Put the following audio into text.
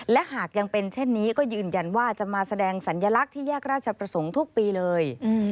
และหากยังเป็นเช่นนี้ก็ยืนยันว่าจะมาแสดงสัญลักษณ์ที่แยกราชประสงค์ทุกปีเลย